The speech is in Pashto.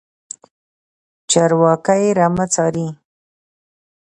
چرواکی رمه څاري.